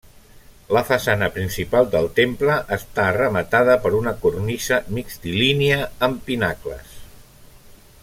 La façana principal del temple està rematada per una cornisa mixtilínia amb pinacles.